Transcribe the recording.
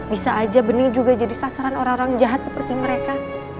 bisa aja benih juga jadi sasaran orang orang jahat seperti mereka